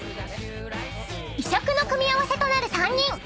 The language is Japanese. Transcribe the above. ［異色の組み合わせとなる３人］